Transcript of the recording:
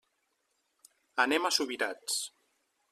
Anem a Subirats.